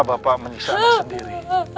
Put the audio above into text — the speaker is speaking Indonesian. bapak menyisalah sendiri